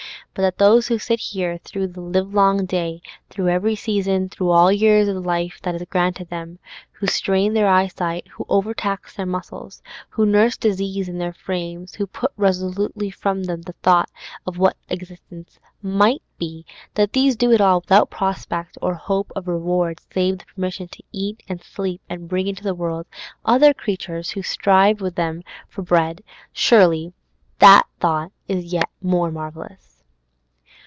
But that those who sit here through the livelong day, through every season, through all the years of the life that is granted them, who strain their eyesight, who overtax their muscles, who nurse disease in their frames, who put resolutely from them the thought of what existence might be—that these do it all without prospect or hope of reward save the permission to eat and sleep and bring into the world other creatures to strive with them for bread, surely that thought is yet more marvellous.